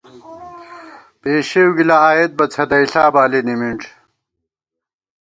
پېشېؤ گِلہ آئیېت بہ، څھدَئیݪا بالی نِمِنݮ